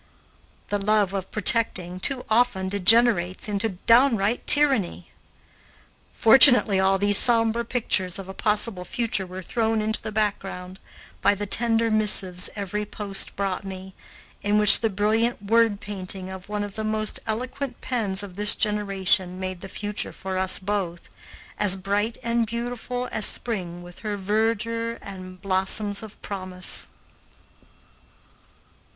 The love of protecting too often degenerates into downright tyranny. Fortunately all these sombre pictures of a possible future were thrown into the background by the tender missives every post brought me, in which the brilliant word painting of one of the most eloquent pens of this generation made the future for us both, as bright and beautiful as Spring with her verdure and blossoms of promise.